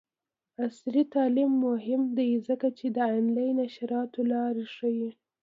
عصري تعلیم مهم دی ځکه چې د آنلاین نشراتو لارې ښيي.